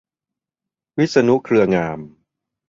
วิษณุ เครืองาม